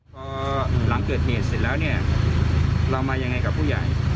พอหลังเกิดเหตุศิษย์เสร็จแล้วเรามาอย่างไรกับผู้ใหญ่